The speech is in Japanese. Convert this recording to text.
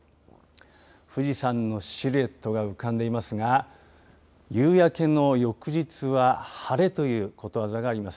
富士山のシルエットが浮かんでいますが、夕焼けの翌日は晴れということわざがあります。